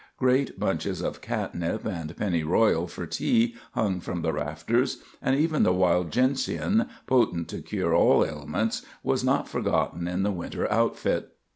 Great bunches of catnip and pennyroyal for tea hung from the rafters, and even the wild gentian, potent to cure all ailments, was not forgotten in the winter outfit.